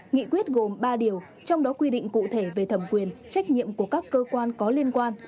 nghị quyết gồm ba điều trong đó quy định cụ thể về thẩm quyền trách nhiệm của các cơ quan có liên quan